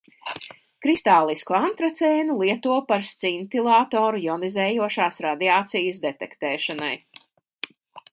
Kristālisku antracēnu lieto par scintilatoru jonizējošās radiācijas detektēšanai.